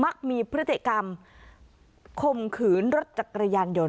ักมีพฤติกรรมคมขืนรถจักรยานยนต